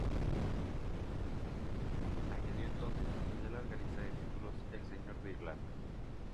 Añadió entonces a su ya larga lista de títulos el de Señor de Irlanda.